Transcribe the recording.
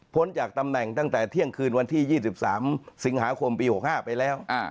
จากตำแหน่งตั้งแต่เที่ยงคืนวันที่๒๓สิงหาคมปี๖๕ไปแล้ว